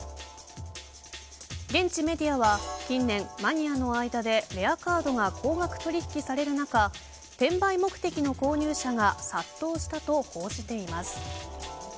現地メディアは、近年マニアの間でレアカードが高額取引される中転売目的の購入者が殺到したと報じています。